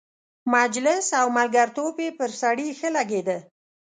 مجلس او ملګرتوب یې پر سړي ښه لګېده.